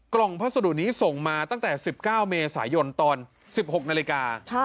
กล่องพัสดุนี้ส่งมาตั้งแต่สิบเก้าเมษายนตอนสิบหกนาฬิกาใช่